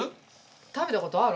食べたことある？